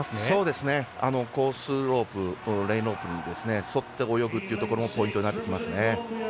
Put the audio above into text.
コースロープレーンロープに沿って泳ぐというところもポイントになってきますね。